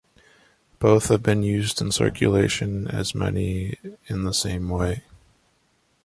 Both have been used in circulation as money in the same way.